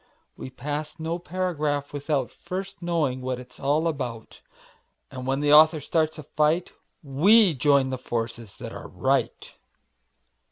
We pass no paragraph without First knowing what it's all about, And when the author starts a fight We join the forces that are right.